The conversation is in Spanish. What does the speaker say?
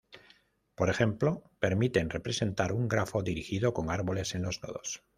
Por ejemplo permiten representar un grafo dirigido con árboles en los nodos.